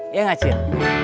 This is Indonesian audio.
iya gak cil